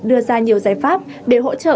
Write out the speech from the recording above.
đưa ra nhiều giải pháp để hỗ trợ